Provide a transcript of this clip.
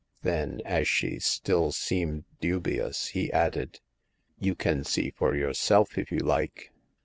Then, as she still seemed dubious, he added :You can see for yourself if you like."